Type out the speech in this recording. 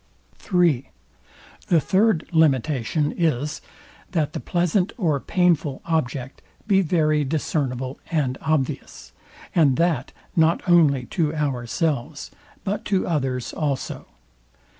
III The third limitation is, that the pleasant or painful object be very discernible and obvious, and that not only to ourselves, but to others also.